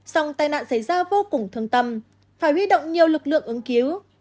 sông tai nạn xảy ra vô cùng thương tâm phải huy động nhiều lực lượng ứng cứu